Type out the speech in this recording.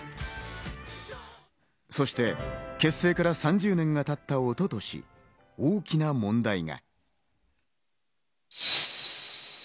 そして結成から３０年が経った一昨年、大きな問題が。